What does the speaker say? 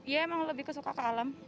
ya emang lebih kesuka ke alam